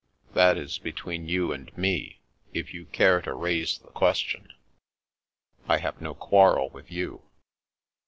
"That is between you and me. If you care to raise the question I have no quarrel with you."